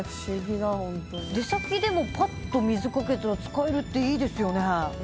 出先でもパッと水かけたら使えるっていいですよね。